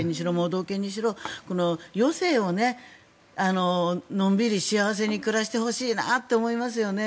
盲導犬にしろ余生をのんびり幸せに暮らしてほしいなと思いますよね。